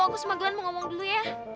aku sama glenn mau ngomong dulu ya